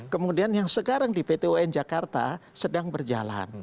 kemudian yang sekarang di pt un jakarta sedang berjalan